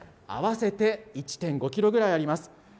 合わせて１．５キロぐらいあります。